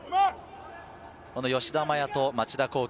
吉田麻也と町田浩樹。